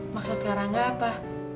maksud karangnya apa